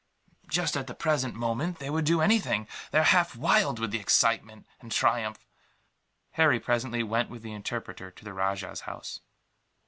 "Just at the present moment, they would do anything; they are half wild with excitement and triumph." Harry presently went with the interpreter to the rajah's house.